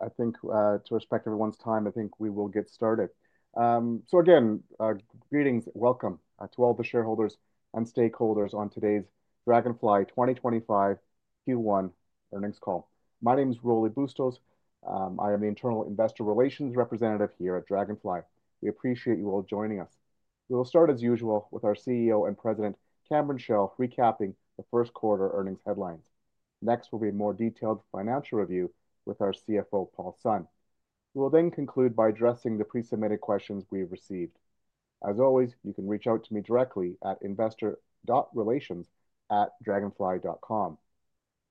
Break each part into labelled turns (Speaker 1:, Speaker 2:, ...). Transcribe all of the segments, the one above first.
Speaker 1: I think, to respect everyone's time, I think we will get started. So again, greetings, welcome to all the shareholders and stakeholders on today's Draganfly 2025 Q1 earnings call. My name is Rolly Bustos. I am the Internal Investor Relations Representative here at Draganfly. We appreciate you all joining us. We will start, as usual, with our CEO and President, Cameron Chell, recapping the first quarter earnings headlines. Next, we will be in more detailed financial review with our CFO, Paul Sun. We will then conclude by addressing the pre-submitted questions we have received. As always, you can reach out to me directly at investor.relations@draganfly.com.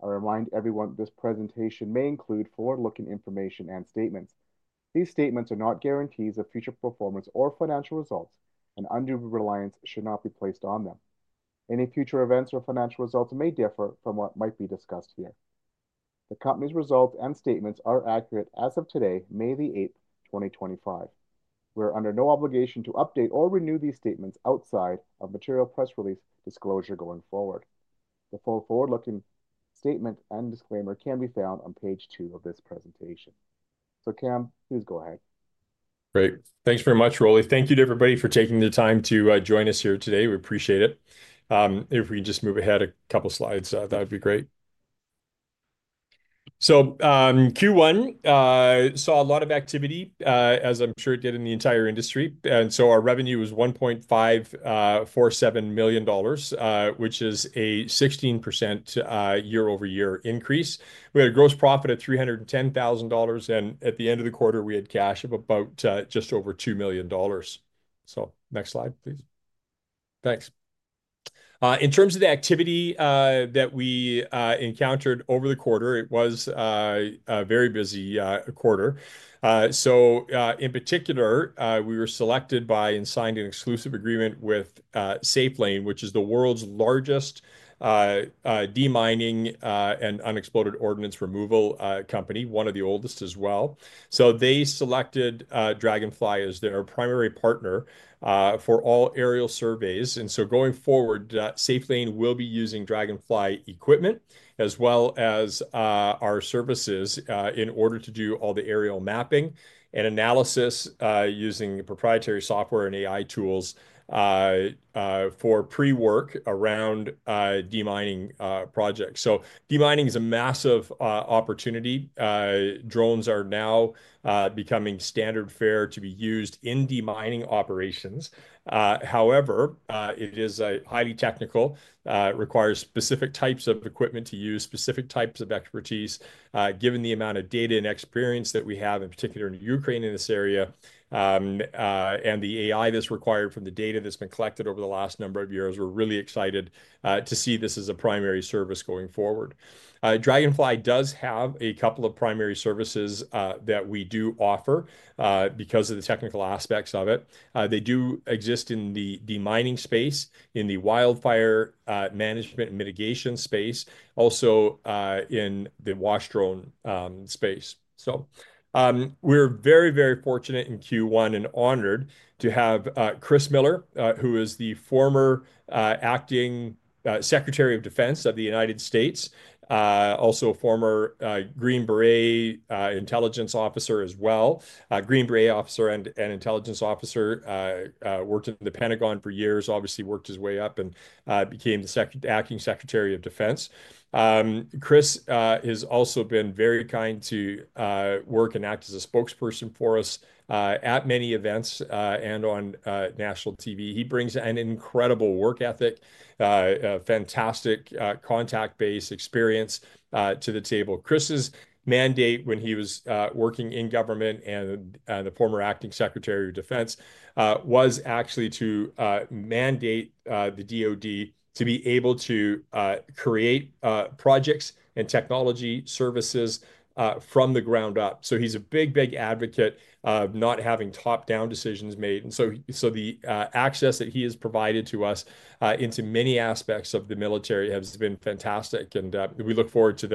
Speaker 1: I remind everyone this presentation may include forward-looking information and statements. These statements are not guarantees of future performance or financial results, and undue reliance should not be placed on them. Any future events or financial results may differ from what might be discussed here. The company's results and statements are accurate as of today, May the 8th, 2025. We are under no obligation to update or renew these statements outside of material press release disclosure going forward. The full forward-looking statement and disclaimer can be found on page two of this presentation. Cam, please go ahead.
Speaker 2: Great. Thanks very much, Rolly. Thank you to everybody for taking the time to join us here today. We appreciate it. If we can just move ahead a couple slides, that would be great. Q1 saw a lot of activity, as I'm sure it did in the entire industry. Our revenue was $1.547 million, which is a 16% year-over-year increase. We had a gross profit of $310,000, and at the end of the quarter, we had cash of about, just over $2 million. Next slide, please. Thanks. In terms of the activity that we encountered over the quarter, it was a very busy quarter. In particular, we were selected by and signed an exclusive agreement with Safe Lane, which is the world's largest de-mining and unexploded ordnance removal company, one of the oldest as well. They selected Draganfly as their primary partner for all aerial surveys. Going forward, Safe Lane will be using Draganfly equipment as well as our services in order to do all the aerial mapping and analysis using proprietary software and AI tools for pre-work around de-mining projects. De-mining is a massive opportunity. Drones are now becoming standard fare to be used in de-mining operations. However, it is highly technical, requires specific types of equipment to use, specific types of expertise, given the amount of data and experience that we have, in particular in Ukraine in this area. The AI that's required from the data that's been collected over the last number of years, we're really excited to see this as a primary service going forward. Draganfly does have a couple of primary services that we do offer because of the technical aspects of it. They do exist in the de-mining space, in the wildfire management and mitigation space, also in the wash drone space. We're very, very fortunate in Q1 and honored to have Chris Miller, who is the former acting Secretary of Defense of the United States, also a former Green Beret intelligence officer as well. Green Beret officer and intelligence officer, worked in the Pentagon for years, obviously worked his way up and became the acting Secretary of Defense. Chris has also been very kind to work and act as a spokesperson for us at many events and on National TV. He brings an incredible work ethic, fantastic contact-based experience to the table. Chris's mandate when he was working in government and the former acting Secretary of Defense was actually to mandate the DOD to be able to create projects and technology services from the ground up. He is a big, big advocate of not having top-down decisions made. The access that he has provided to us, into many aspects of the military, has been fantastic. We look forward to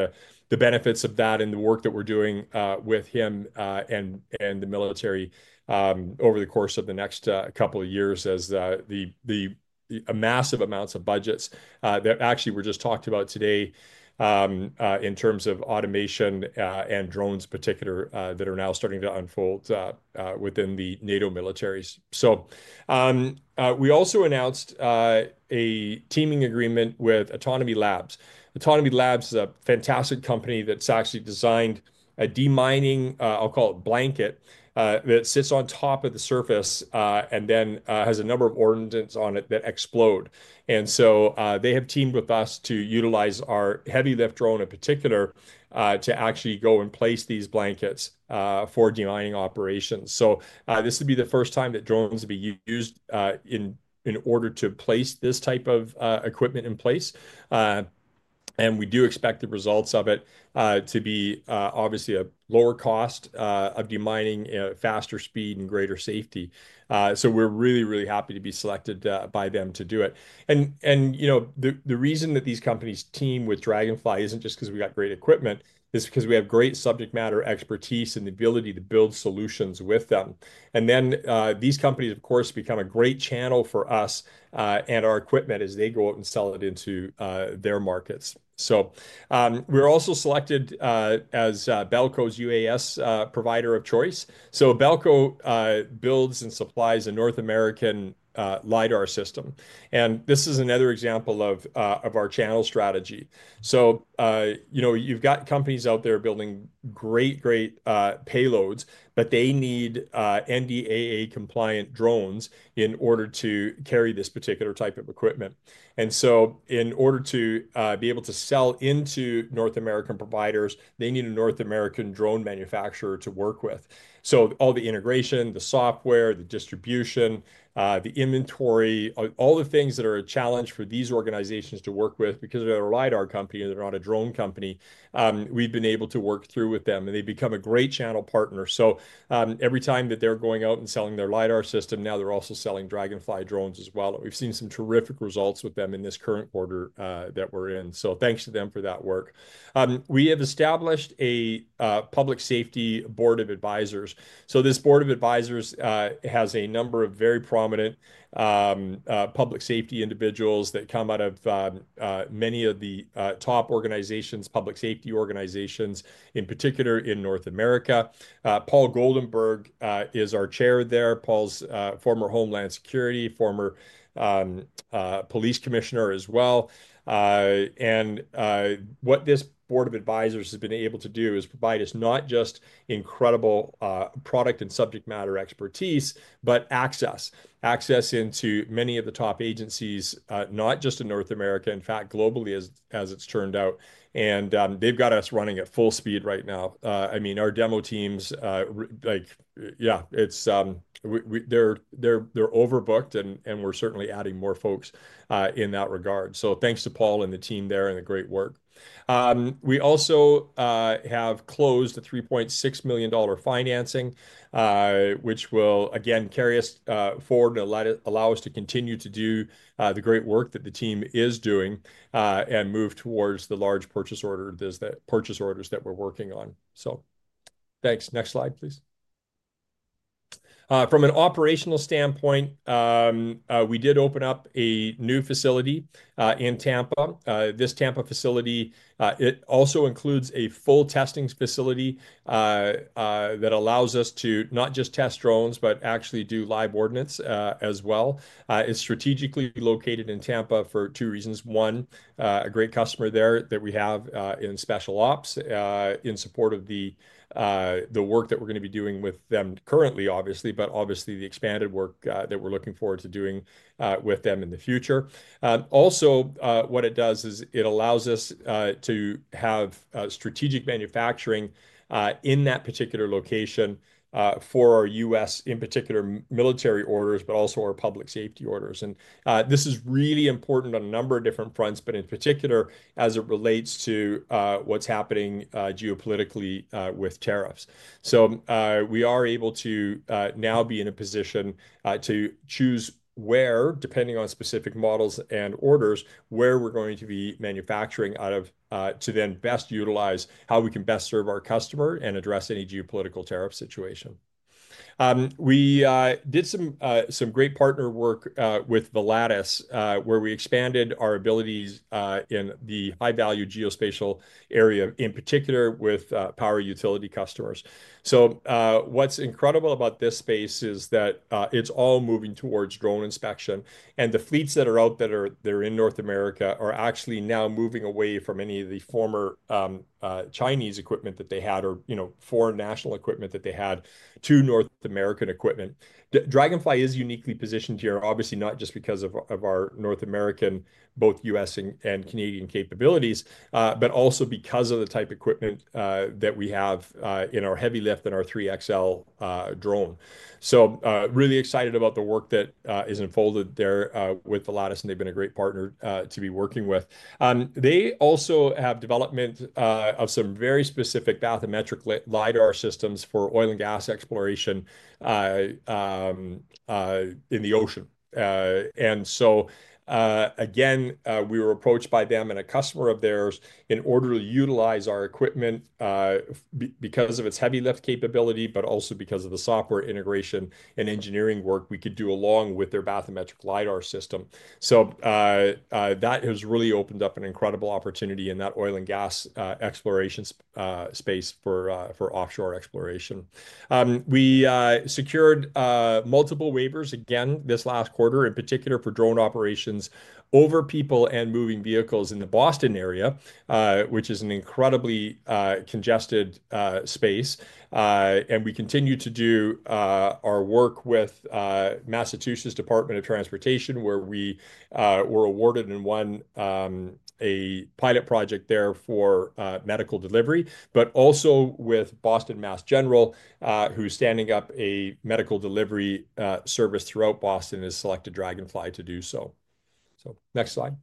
Speaker 2: the benefits of that and the work that we are doing with him and the military over the course of the next couple of years, as massive amounts of budgets that actually were just talked about today, in terms of automation and drones in particular, are now starting to unfold within the NATO militaries. We also announced a teaming agreement with Autonomy Labs. Autonomy Labs is a fantastic company that has actually designed a de-mining, I will call it, blanket that sits on top of the surface and then has a number of ordnance on it that explode. They have teamed with us to utilize our heavy-lift drone in particular, to actually go and place these blankets for de-mining operations. This would be the first time that drones will be used in order to place this type of equipment in place. We do expect the results of it to be, obviously, a lower cost of de-mining, faster speed, and greater safety. We are really, really happy to be selected by them to do it. You know, the reason that these companies team with Draganfly is not just because we have great equipment, it is because we have great subject matter expertise and the ability to build solutions with them. These companies, of course, become a great channel for us and our equipment as they go out and sell it into their markets. We're also selected as Belco's UAS provider of choice. Belco builds and supplies a North American LIDAR system. This is another example of our channel strategy. You know, you've got companies out there building great, great payloads, but they need NDAA compliant drones in order to carry this particular type of equipment. In order to be able to sell into North American providers, they need a North American drone manufacturer to work with. All the integration, the software, the distribution, the inventory, all the things that are a challenge for these organizations to work with because they're a LIDAR company, they're not a drone company, we've been able to work through with them and they become a great channel partner. Every time that they're going out and selling their LIDAR system, now they're also selling Draganfly drones as well. We've seen some terrific results with them in this current quarter that we're in. Thanks to them for that work. We have established a public safety board of advisors. This board of advisors has a number of very prominent public safety individuals that come out of many of the top organizations, public safety organizations, in particular in North America. Paul Goldenberg is our chair there. Paul's former Homeland Security, former Police Commissioner as well. What this board of advisors has been able to do is provide us not just incredible product and subject matter expertise, but access, access into many of the top agencies, not just in North America, in fact, globally as it's turned out. They've got us running at full speed right now. I mean, our demo teams, like, yeah, it's, we, we, they're overbooked and we're certainly adding more folks, in that regard. So thanks to Paul and the team there and the great work. We also have closed the $3.6 million financing, which will again carry us forward and let it allow us to continue to do the great work that the team is doing, and move towards the large purchase order, those purchase orders that we're working on. So thanks. Next slide, please. From an operational standpoint, we did open up a new facility in Tampa. This Tampa facility, it also includes a full testing facility, that allows us to not just test drones, but actually do live ordnance, as well. It's strategically located in Tampa for two reasons. One, a great customer there that we have, in special ops, in support of the work that we're going to be doing with them currently, obviously, but obviously the expanded work that we're looking forward to doing with them in the future. Also, what it does is it allows us to have strategic manufacturing in that particular location for our U.S., in particular military orders, but also our public safety orders. This is really important on a number of different fronts, but in particular as it relates to what's happening geopolitically with tariffs. We are able to now be in a position to choose where, depending on specific models and orders, where we're going to be manufacturing out of, to then best utilize how we can best serve our customer and address any geopolitical tariff situation. We did some great partner work with Lattice, where we expanded our abilities in the high-value geospatial area, in particular with power utility customers. What's incredible about this space is that it's all moving towards drone inspection and the fleets that are in North America are actually now moving away from any of the former Chinese equipment that they had or, you know, foreign national equipment that they had to North American equipment. Draganfly is uniquely positioned here, obviously not just because of our North American, both U.S. and Canadian capabilities, but also because of the type of equipment that we have in our heavy-lift and our 3XL drone. Really excited about the work that has unfolded there with Lattice, and they've been a great partner to be working with. They also have development of some very specific Bathymetric LIDAR systems for oil and gas exploration in the ocean. Again, we were approached by them and a customer of theirs in order to utilize our equipment because of its heavy lift capability, but also because of the software integration and engineering work we could do along with their Bathymetric LIDAR system. That has really opened up an incredible opportunity in that oil and gas exploration space for offshore exploration. We secured multiple waivers again this last quarter, in particular for drone operations over people and moving vehicles in the Boston area, which is an incredibly congested space. and we continue to do our work with Massachusetts Department of Transportation, where we were awarded and won a pilot project there for medical delivery, but also with Boston Mass General, who's standing up a medical delivery service throughout Boston, has selected Draganfly to do so. Next slide.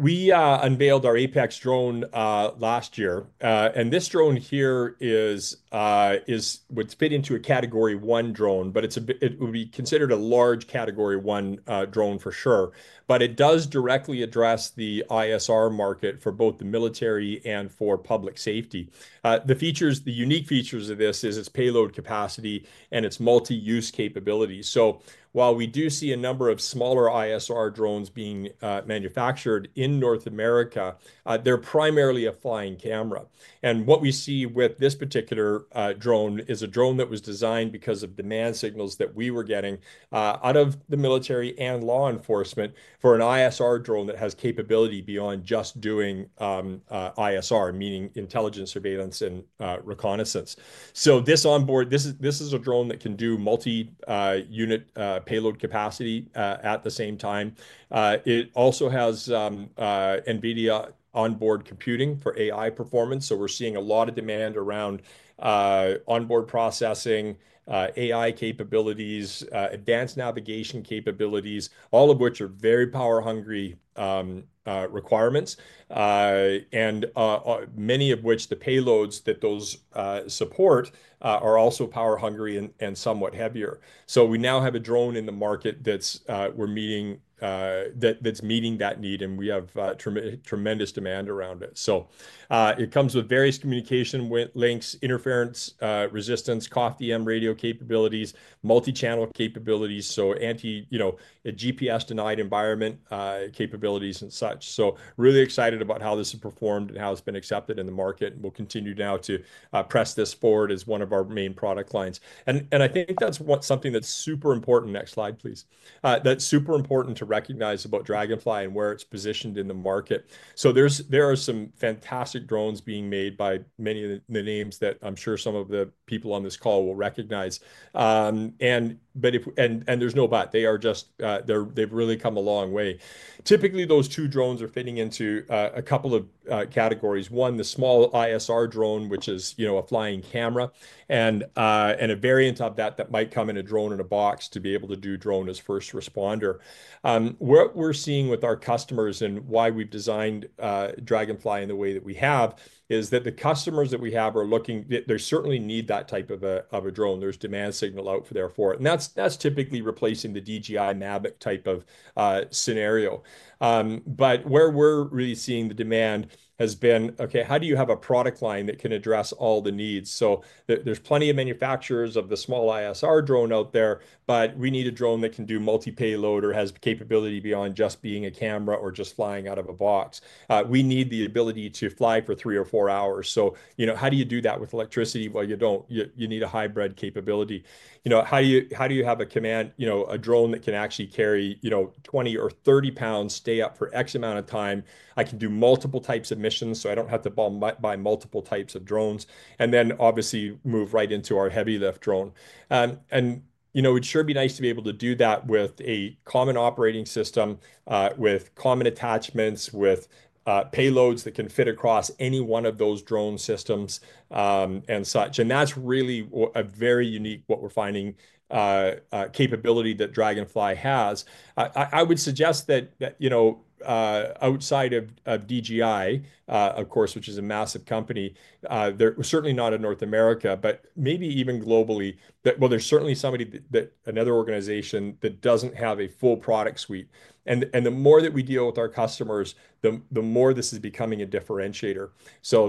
Speaker 2: We unveiled our Apex drone last year. And this drone here is what's fit into a category one drone, but it would be considered a large category one drone for sure, but it does directly address the ISR market for both the military and for public safety. The features, the unique features of this is its payload capacity and its multi-use capability. While we do see a number of smaller ISR drones being manufactured in North America, they're primarily a flying camera. What we see with this particular drone is a drone that was designed because of demand signals that we were getting out of the military and law enforcement for an ISR drone that has capability beyond just doing ISR, meaning intelligence, surveillance, and reconnaissance. This is a drone that can do multi-unit payload capacity at the same time. It also has NVIDIA onboard computing for AI performance. We are seeing a lot of demand around onboard processing, AI capabilities, advanced navigation capabilities, all of which are very power hungry requirements, and many of which the payloads that those support are also power hungry and somewhat heavier. We now have a drone in the market that is meeting that need and we have tremendous demand around it. It comes with various communication links, interference resistance, cough DM Radio capabilities, multi-channel capabilities. Anti, you know, a GPS denied environment, capabilities and such. Really excited about how this has performed and how it's been accepted in the market. We'll continue now to press this forward as one of our main product lines. I think that's something that's super important. Next slide, please. That's super important to recognize about Draganfly and where it's positioned in the market. There are some fantastic drones being made by many of the names that I'm sure some of the people on this call will recognize. There's no bat, they are just, they've really come a long way. Typically, those two drones are fitting into a couple of categories. One, the small ISR drone, which is, you know, a flying camera and, and a variant of that, that might come in a drone in a box to be able to do drone as first responder. What we're seeing with our customers and why we've designed Draganfly in the way that we have is that the customers that we have are looking, they certainly need that type of a, of a drone. There's demand signal out there for it. And that's typically replacing the DJI Mavic type of scenario. What we're really seeing the demand has been, okay, how do you have a product line that can address all the needs? There are plenty of manufacturers of the small ISR drone out there, but we need a drone that can do multi-payload or has capability beyond just being a camera or just flying out of a box. We need the ability to fly for three or four hours. You know, how do you do that with electricity? Well, you don't, you need a hybrid capability. You know, how do you have a drone that can actually carry 20 or 30 Lbs up for X amount of time? It can do multiple types of missions, so I don't have to buy multiple types of drones and then obviously move right into our heavy-lift drone. You know, it'd sure be nice to be able to do that with a common operating system, with common attachments, with payloads that can fit across any one of those drone systems and such. That's really a very unique, what we're finding, capability that Draganfly has. I would suggest that, you know, outside of, of DJI, of course, which is a massive company, there is certainly not in North America, but maybe even globally, that, well, there's certainly somebody, another organization that doesn't have a full product suite. The more that we deal with our customers, the more this is becoming a differentiator.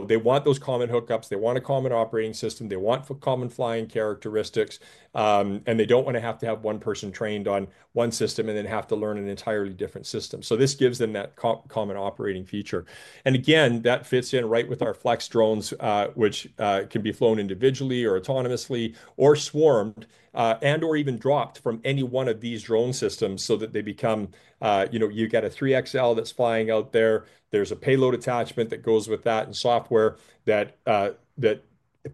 Speaker 2: They want those common hookups, they want a common operating system, they want common flying characteristics, and they do not want to have to have one person trained on one system and then have to learn an entirely different system. This gives them that common operating feature. That fits in right with our flex drones, which can be flown individually or autonomously or swarmed, or even dropped from any one of these drone systems so that they become, you know, you have got a 3XL that is flying out there. There is a payload attachment that goes with that and software that, that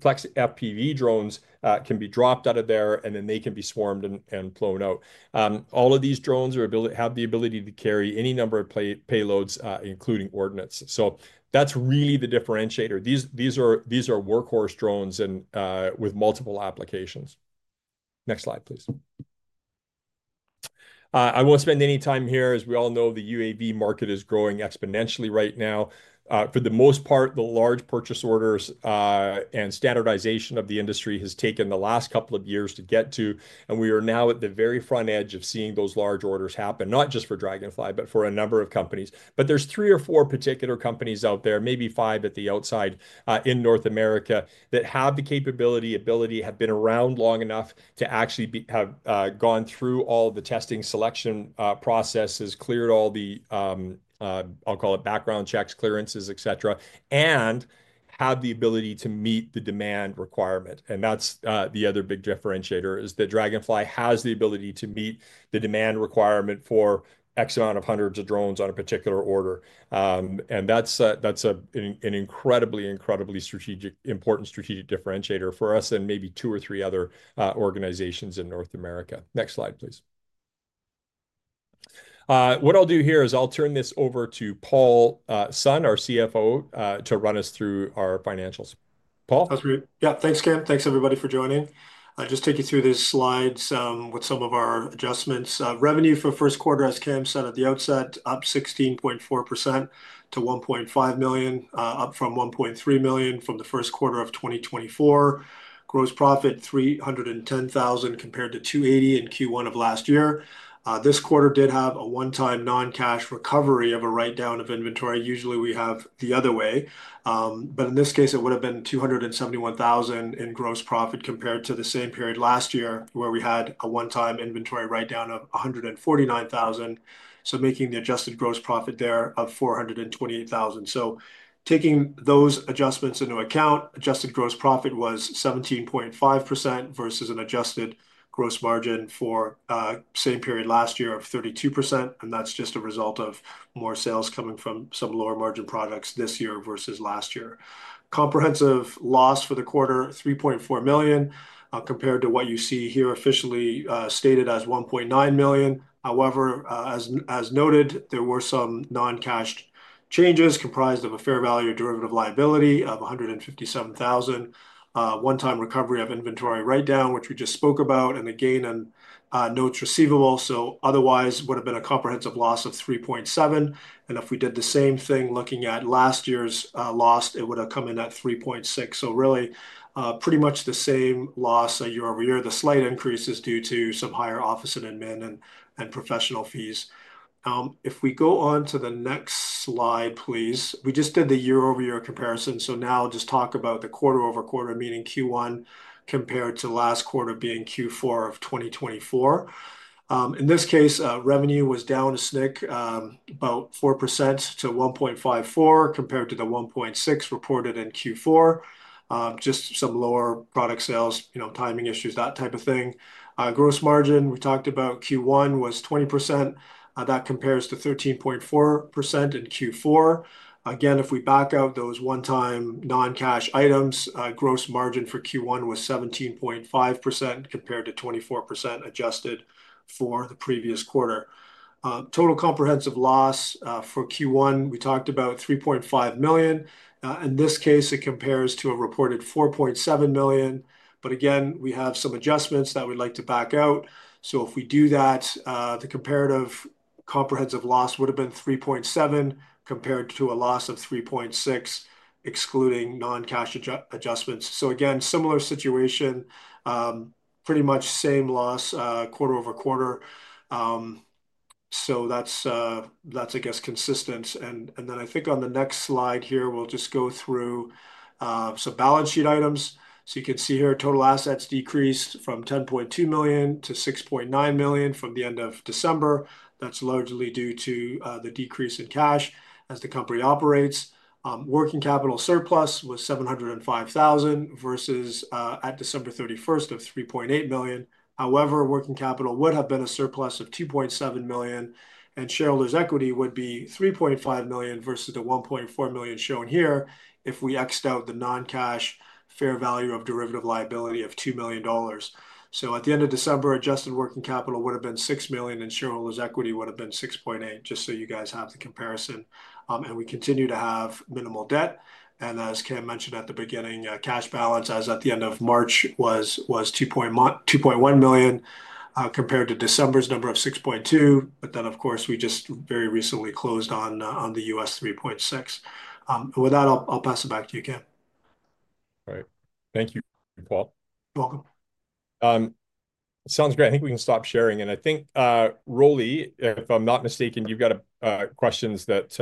Speaker 2: flex FPV drones can be dropped out of there and then they can be swarmed and flown out. All of these drones are able to have the ability to carry any number of payloads, including ordnance. That is really the differentiator. These are workhorse drones and, with multiple applications. Next slide, please. I won't spend any time here. As we all know, the UAV market is growing exponentially right now. For the most part, the large purchase orders, and standardization of the industry has taken the last couple of years to get to. We are now at the very front edge of seeing those large orders happen, not just for Draganfly, but for a number of companies. There's three or four particular companies out there, maybe five at the outside, in North America that have the capability, ability, have been around long enough to actually be, have, gone through all of the testing selection processes, cleared all the, I'll call it background checks, clearances, et cetera, and have the ability to meet the demand requirement. That's, the other big differentiator is that Draganfly has the ability to meet the demand requirement for X amount of hundreds of drones on a particular order. That's an incredibly, incredibly important strategic differentiator for us and maybe two or three other organizations in North America. Next slide, please. What I'll do here is I'll turn this over to Paul Sun, our CFO, to run us through our financials. Paul.
Speaker 3: That's great. Yeah. Thanks, Cam. Thanks everybody for joining. I'll just take you through these slides, with some of our adjustments. Revenue for first quarter, as Cam said at the outset, up 16.4% to $1.5 million, up from $1.3 million from the first quarter of 2024. Gross profit $310,000 compared to $280,000 in Q1 of last year. This quarter did have a one-time non-cash recovery of a write-down of inventory. Usually we have the other way. but in this case, it would've been $271,000 in gross profit compared to the same period last year where we had a one-time inventory write-down of $149,000. So making the adjusted gross profit there of $428,000. Taking those adjustments into account, adjusted gross profit was 17.5% versus an adjusted gross margin for, same period last year of 32%. That's just a result of more sales coming from some lower margin products this year versus last year. Comprehensive loss for the quarter, $3.4 million, compared to what you see here officially, stated as $1.9 million. However, as noted, there were some non-cash changes comprised of a fair value derivative liability of $157,000, one-time recovery of inventory write-down, which we just spoke about, and the gain and, notes receivable. Otherwise would've been a comprehensive loss of $3.7. If we did the same thing looking at last year's loss, it would've come in at $3.6. Really, pretty much the same loss year-over-year. The slight increase is due to some higher office and admin and professional fees. If we go on to the next slide, please, we just did the year-over-year comparison. Now just talk about the quarter-over-quarter, meaning Q1 compared to last quarter being Q4 of 2024. In this case, revenue was down a snick, about 4% to $1.54 compared to the $1.6 reported in Q4. Just some lower product sales, you know, timing issues, that type of thing. Gross margin, we talked about Q1 was 20%. That compares to 13.4% in Q4. Again, if we back out those one-time non-cash items, gross margin for Q1 was 17.5% compared to 24% adjusted for the previous quarter. Total comprehensive loss for Q1, we talked about $3.5 million. In this case, it compares to a reported $4.7 million. Again, we have some adjustments that we'd like to back out. If we do that, the comparative comprehensive loss would have been $3.7 compared to a loss of $3.6, excluding non-cash adjustments. Again, similar situation, pretty much same loss, quarter-over-quarter. That's, I guess, consistent. I think on the next slide here, we'll just go through some balance sheet items. You can see here, total assets decreased from $10.2 million-$6.9 million from the end of December. That's largely due to the decrease in cash as the company operates. Working capital surplus was $705,000 versus at December 31st of $3.8 million. However, working capital would have been a surplus of $2.7 million and shareholders' equity would be $3.5 million versus the $1.4 million shown here if we x'd out the non-cash fair value of derivative liability of $2 million. At the end of December, adjusted working capital would've been $6 million and shareholders' equity would've been $6.8. Just so you guys have the comparison. We continue to have minimal debt. As Cam mentioned at the beginning, cash balance as at the end of March was $2.1 million, compared to December's number of $6.2. Of course, we just very recently closed on the U.S., $3.6. With that, I'll pass it back to you, Cam.
Speaker 2: All right. Thank you, Paul.
Speaker 3: You're welcome.
Speaker 2: Sounds great. I think we can stop sharing. I think, Rolly, if I'm not mistaken, you've got questions that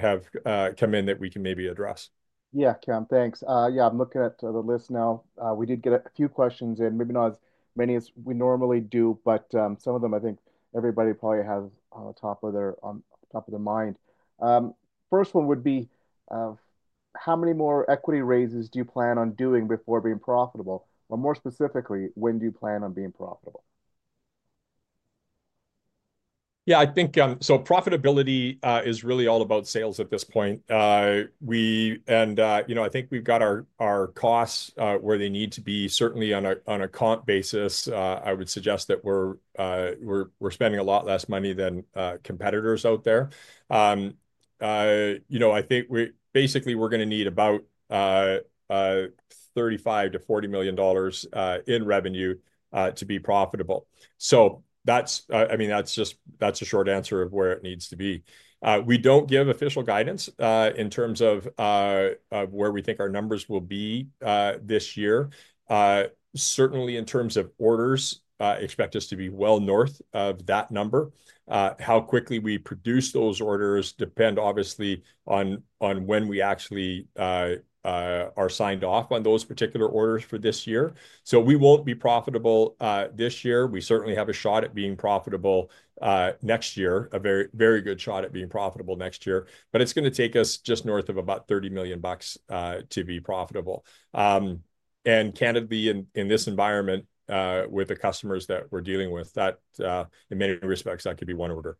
Speaker 2: have come in that we can maybe address.
Speaker 1: Yeah, Cam, thanks. Yeah, I'm looking at the list now. We did get a few questions in, maybe not as many as we normally do, but some of them I think everybody probably has on top of their mind. First one would be, how many more equity raises do you plan on doing before being profitable? More specifically, when do you plan on being profitable?
Speaker 2: Yeah, I think profitability is really all about sales at this point. We, and, you know, I think we've got our costs where they need to be certainly on a comp basis. I would suggest that we're spending a lot less money than competitors out there. You know, I think we basically we're gonna need about $35-$40 million in revenue to be profitable. So that's, I mean, that's just, that's a short answer of where it needs to be. We don't give official guidance, in terms of, of where we think our numbers will be, this year. Certainly in terms of orders, expect us to be well north of that number. How quickly we produce those orders depends obviously on, on when we actually are signed off on those particular orders for this year? So we won't be profitable this year. We certainly have a shot at being profitable next year, a very, very good shot at being profitable next year, but it's gonna take us just north of about $30 million to be profitable. Can it be in, in this environment, with the customers that we're dealing with that, in many respects, that could be one order.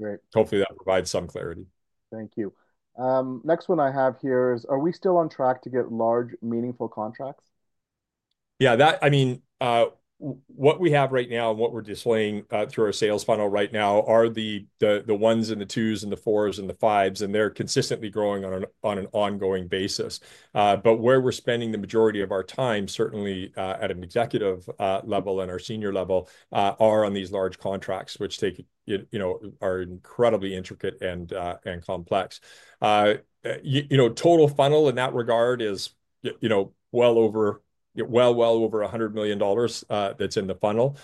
Speaker 2: Great. Hopefully that provides some clarity.
Speaker 1: Thank you. Next one I have here is, are we still on track to get large meaningful contracts?
Speaker 2: Yeah, what we have right now and what we're displaying through our sales funnel right now are the ones and the twos and the fours and the fives, and they're consistently growing on an ongoing basis. Where we're spending the majority of our time, certainly at an executive level and our senior level, are on these large contracts, which take, you know, are incredibly intricate and complex. You know, total funnel in that regard is well over, you know, well over $100 million, that's in the funnel.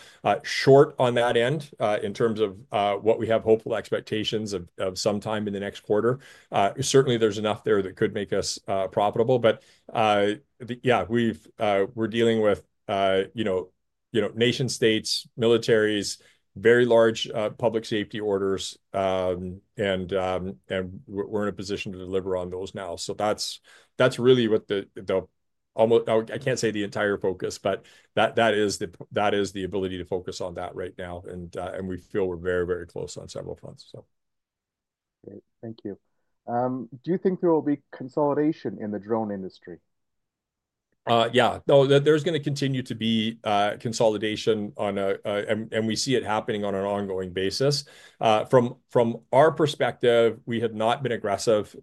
Speaker 2: Short on that end, in terms of what we have hopeful expectations of, of sometime in the next quarter. Certainly there's enough there that could make us profitable, but, yeah, we're dealing with, you know, nation states, militaries, very large public safety orders, and we're in a position to deliver on those now. That's really what the, almost, I can't say the entire focus, but that is the ability to focus on that right now, and we feel we're very, very close on several fronts.
Speaker 1: Great, thank you. Do you think there will be consolidation in the drone industry?
Speaker 2: Yeah, no, there's gonna continue to be consolidation, and we see it happening on an ongoing basis. From our perspective, we have not been aggressive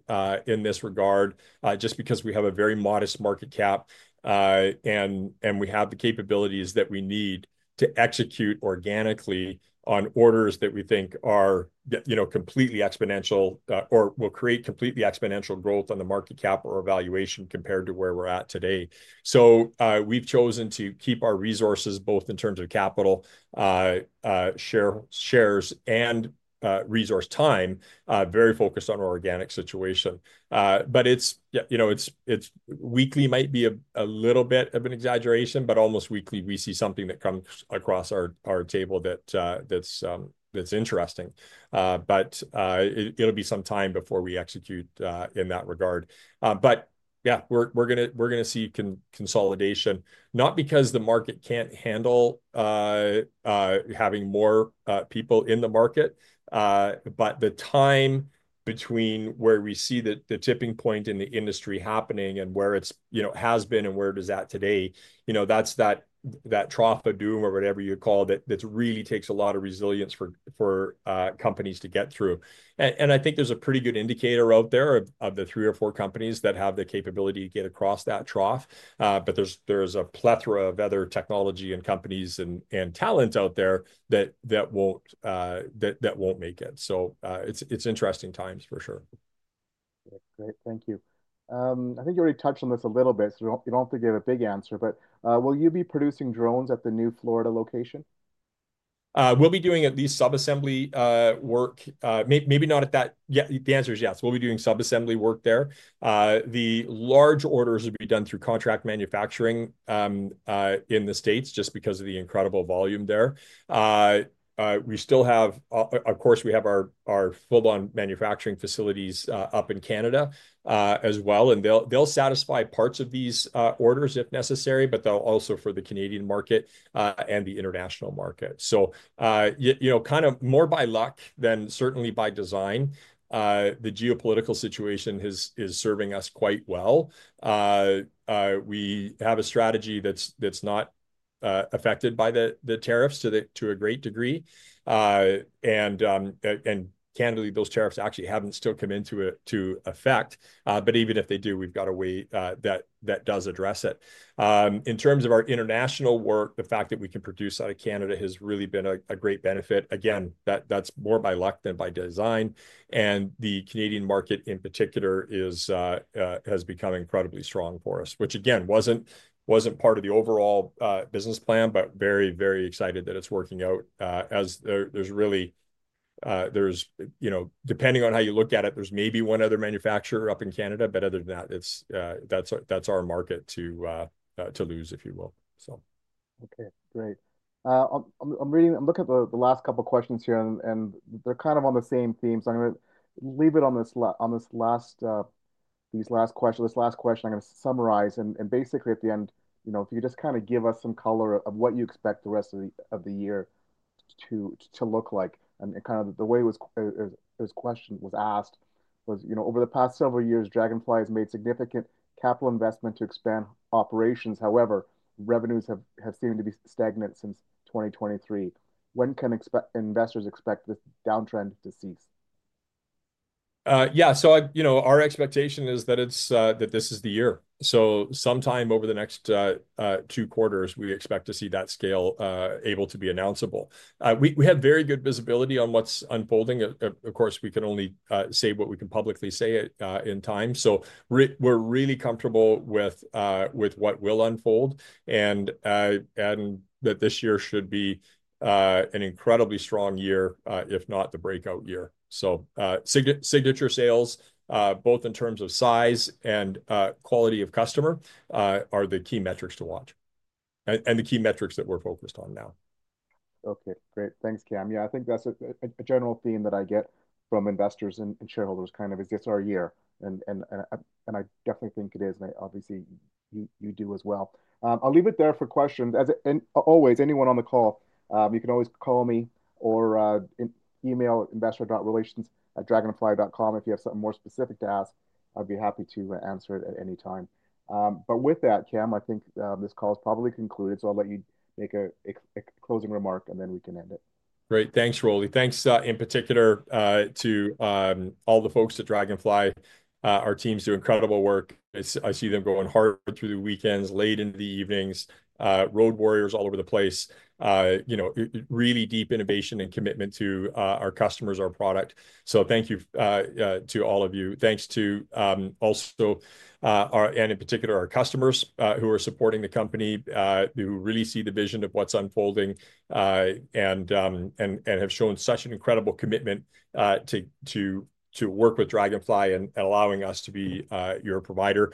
Speaker 2: in this regard, just because we have a very modest market cap, and we have the capabilities that we need to execute organically on orders that we think are, you know, completely exponential, or will create completely exponential growth on the market cap or evaluation compared to where we're at today. We have chosen to keep our resources both in terms of capital, shares, and resource time very focused on our organic situation. It is, you know, weekly might be a little bit of an exaggeration, but almost weekly we see something that comes across our table that's interesting. It will be some time before we execute in that regard. Yeah, we're gonna see consolidation, not because the market can't handle having more people in the market, but the time between where we see the tipping point in the industry happening and where it has been and where it is at today, you know, that's that trough of doom or whatever you call it that really takes a lot of resilience for companies to get through. I think there's a pretty good indicator out there of the three or four companies that have the capability to get across that trough. There is a plethora of other technology and companies and talent out there that won't, that won't make it. It's interesting times for sure.
Speaker 1: Great. Thank you. I think you already touched on this a little bit, so you don't, you don't have to give a big answer, but will you be producing drones at the New Florida location?
Speaker 2: We'll be doing at least sub-assembly work. Maybe not at that. Yeah, the answer is yes. We'll be doing sub-assembly work there. The large orders will be done through contract manufacturing in the States just because of the incredible volume there. We still have, of course, we have our full-on manufacturing facilities up in Canada as well, and they'll satisfy parts of these orders if necessary, but they'll also for the Canadian market and the international market. You know, kind of more by luck than certainly by design, the geopolitical situation is serving us quite well. We have a strategy that's not affected by the tariffs to a great degree. And candidly, those tariffs actually haven't still come into effect. But even if they do, we've got a way that does address it. In terms of our international work, the fact that we can produce out of Canada has really been a great benefit. Again, that's more by luck than by design. The Canadian market in particular has become incredibly strong for us, which again, was not part of the overall business plan, but very excited that it's working out. As there's really, you know, depending on how you look at it, there's maybe one other manufacturer up in Canada, but other than that, that's our market to lose, if you will.
Speaker 1: Okay. Great. I'm reading, I'm looking at the last couple questions here and they're kind of on the same theme. I'm gonna leave it on this last question. I'm gonna summarize and basically at the end, you know, if you could just kind of give us some color of what you expect the rest of the year to look like and kind of the way it was questioned, was asked was, you know, over the past several years, Draganfly has made significant capital investment to expand operations? However, revenues have seemed to be stagnant since 2023. When can investors expect this downtrend to cease?
Speaker 2: Yeah. So I, you know, our expectation is that it's, that this is the year. Sometime over the next two quarters, we expect to see that scale able to be announceable. We have very good visibility on what's unfolding. Of course, we can only say what we can publicly say in time. We are really comfortable with what will unfold and that this year should be an incredibly strong year, if not the breakout year. Signature sales, both in terms of size and quality of customer, are the key metrics to watch and the key metrics that we are focused on now.
Speaker 1: Okay. Great. Thanks, Cam. I think that's a general theme that I get from investors and shareholders, kind of is it's our year, and I definitely think it is. I obviously you do as well. I'll leave it there for questions as is, and always, anyone on the call, you can always call me or email investor.relations@draganfly.com. If you have something more specific to ask, I'd be happy to answer it at any time. With that, Cam, I think this call is probably concluded. I'll let you make a closing remark and then we can end it.
Speaker 2: Great. Thanks, Rolly. Thanks in particular to all the folks at Draganfly. Our teams do incredible work. I see them going hard through the weekends, late in the evenings, road warriors all over the place. You know, really deep innovation and commitment to our customers, our product. So thank you to all of you. Thanks to, also, our, and in particular, our customers, who are supporting the company, who really see the vision of what's unfolding, and have shown such an incredible commitment to work with Draganfly and allowing us to be your provider.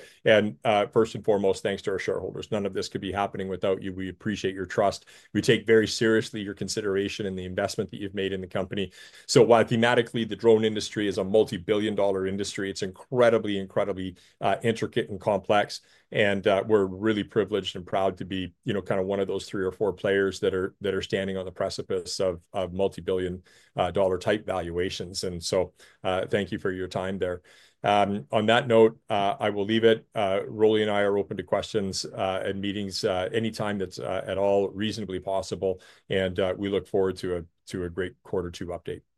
Speaker 2: First and foremost, thanks to our shareholders. None of this could be happening without you. We appreciate your trust. We take very seriously your consideration and the investment that you've made in the company. While thematically the drone industry is a multi-billion dollar industry, it's incredibly, incredibly intricate and complex. We're really privileged and proud to be, you know, kind of one of those three or four players that are standing on the precipice of multi-billion dollar type valuations. Thank you for your time there. On that note, I will leave it. Rolly and I are open to questions, and meetings, anytime that's at all reasonably possible. We look forward to a great quarter two update. Thank you.